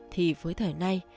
thì với thời nay